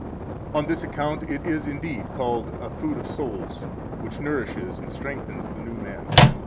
23 On this account it is indeed called a food of souls, which nourishes and strengthens the new man.